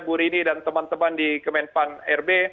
bu rini dan teman teman di kementerian pan rb